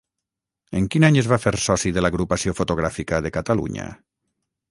En quin any es va fer soci de l'Agrupació Fotogràfica de Catalunya?